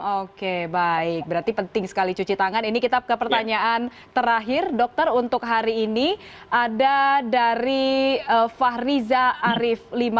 oke baik berarti penting sekali cuci tangan ini kita ke pertanyaan terakhir dokter untuk hari ini ada dari fahriza arif lima